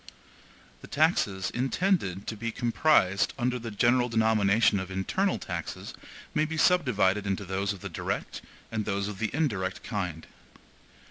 The taxes intended to be comprised under the general denomination of internal taxes may be subdivided into those of the DIRECT and those of the INDIRECT kind.